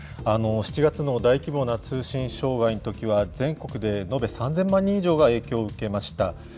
７月の大規模な通信障害のときは、全国で延べ３０００万人以上が影響を受けました。